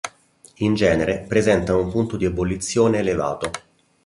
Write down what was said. In genere presentano un punto di ebollizione elevato.